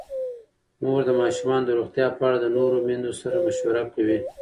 مور د ماشومانو د روغتیا په اړه د نورو میندو سره مشوره کوي.